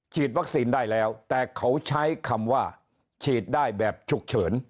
วัคซีนได้แล้วแต่เขาใช้คำว่าฉีดได้แบบฉุกเฉิน